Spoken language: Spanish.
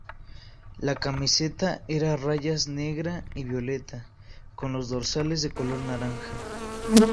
La camiseta era a rayas negra y violeta, con los dorsales de color naranja.